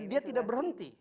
dia tidak berhenti